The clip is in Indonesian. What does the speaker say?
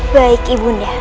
baik ibu undah